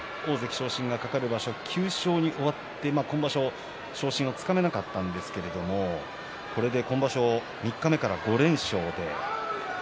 この力士は先場所、大関昇進が懸かる場所９勝に終わって今場所昇進がつかめなかったんですがこれで今場所三日目から５連勝。